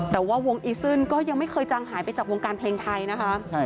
แต่ว่าวงอีซึนก็ยังไม่เคยจางหายไปจากวงการเพลงไทยนะคะ